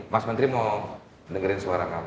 mas menteri mau dengerin suara kamu